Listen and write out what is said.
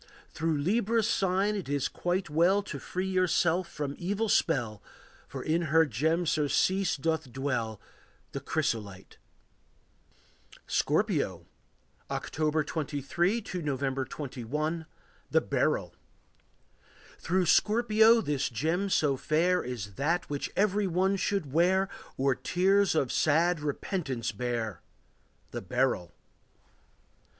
Through Libra's sign it is quite well To free yourself from evil spell, For in her gem surcease doth dwell, The chrysolite. Scorpio. October 23 to November 21. The Beryl. Through Scorpio this gem so fair Is that which every one should wear, Or tears of sad repentance bear,— The beryl.